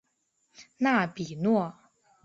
纳比诺。